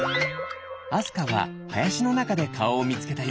あすかははやしのなかでかおをみつけたよ。